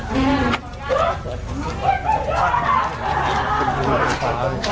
ไม่ค่อยราบลื้อเลยไม่ค่อยราบลื้อเลย